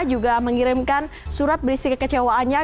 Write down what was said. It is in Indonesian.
juga mengirimkan surat berisi kekecewaannya